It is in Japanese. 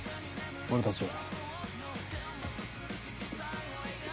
俺たちは。